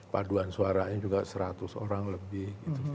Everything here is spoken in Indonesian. paduan suaranya juga seratus orang lebih